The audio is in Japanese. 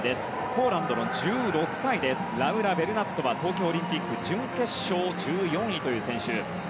ポーランドの１６歳ラウラ・ベルナットは東京オリンピック準決勝１４位という選手。